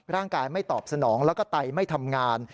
ร่างกายไม่ตอบสนองแล้วก็ไตไม่ทำงาน